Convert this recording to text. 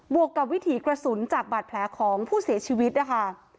วกกับวิถีกระสุนจากบาดแผลของผู้เสียชีวิตนะคะ